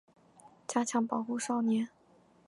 加强保护少年